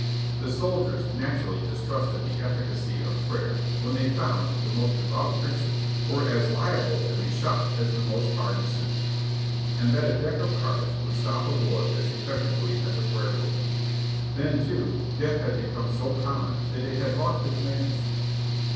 The soldiers naturally distrusted the efficacy of prayer when they found that the most devout Christians w^ere as liable to be shot as the most hardened sinner, and that a deck of cards would stop a bullet as effectively as a prayer book : then, too, death had become so com 686 JOHNNY REB AND BILLY YANK mon that it had lost its majesty.